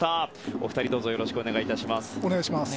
お二人、どうぞよろしくお願いします。